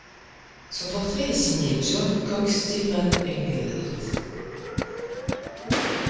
Son portrait est signé John Cox Dillman Engleheart.